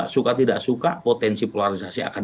suka tidak suka potensi polarisasi akan